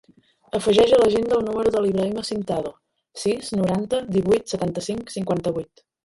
Afegeix a l'agenda el número de l'Ibrahima Cintado: sis, noranta, divuit, setanta-cinc, cinquanta-vuit.